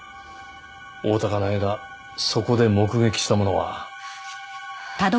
大多香苗がそこで目撃したものは。